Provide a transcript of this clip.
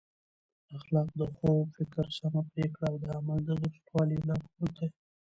اخلاق د ښو فکر، سمه پرېکړه او د عمل د درستوالي لارښود دی.